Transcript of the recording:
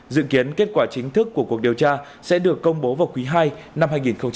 dự kiến kết quả chính thức của cuộc điều tra sẽ được công bố vào quý ii năm hai nghìn hai mươi